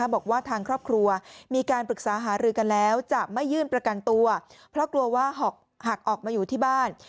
บอกว่าทางครอบครัวมีการปรึกษาหารือกันแล้วจะไม่ยื่นประกันตัวเพราะกลัวว่าหากออกมาอยู่ที่บ้าน